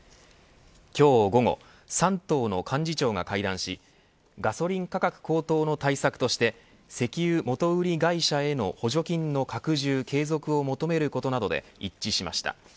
今日午後３党の幹事長が会談しガソリン価格高騰の対策として石油元売り会社への補助金の拡充継続を求めることなどで一致しました。